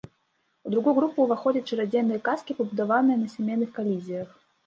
У другую групу ўваходзяць чарадзейныя казкі, пабудаваныя на сямейных калізіях.